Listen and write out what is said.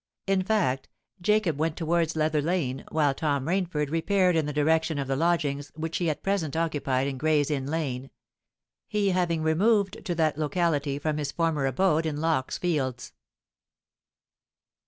In fact, Jacob went towards Leather Lane, while Tom Rainford repaired in the direction of the lodgings which he at present occupied in Gray's Inn Lane—he having removed to that locality from his former abode in Lock's Fields.